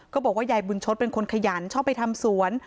บอกว่ายายบุญชดเป็นคนขยันชอบไปทำสวน